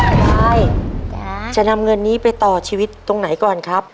ยายจะนำเงินนี้ไปต่อชีวิตตรงไหนก่อนครับ